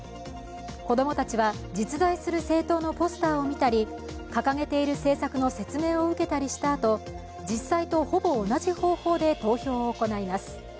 子供たちは実在する政党のポスターを見たり、掲げている政策の説明を受けたりしたあと実際とほぼ同じ方法で投票を行います。